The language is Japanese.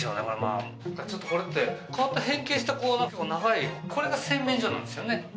これまあちょっとこれって変わった変形したこう長いこれが洗面所なんですよね